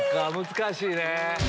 難しいね。